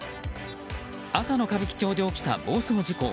朝の歌舞伎町で起きた暴走事故。